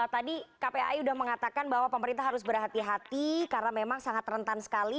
tadi kpai sudah mengatakan bahwa pemerintah harus berhati hati karena memang sangat rentan sekali